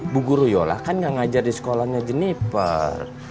bu guru yola kan gak ngajar di sekolahnya jeniper